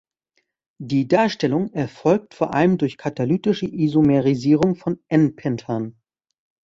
Die Darstellung erfolgt vor allem durch katalytische Isomerisierung von "n"-Pentan.